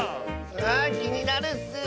あきになるッス。